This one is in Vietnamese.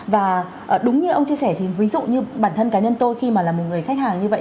và đúng như ông chia sẻ thì ví dụ như bản thân cá nhân tôi khi mà là một người khách hàng như vậy